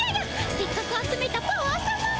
せっかくあつめたパワーさまが。